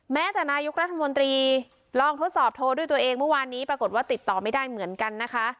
แม้แต่นายกรัฐมนตรีลองทดสอบโทรด้วยตัวเองเมื่อวานนี้ปรากฏว่าติดต่อไม่ได้เหมือนกันนะคะ